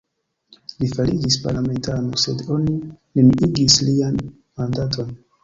Li fariĝis parlamentano, sed oni neniigis lian mandaton.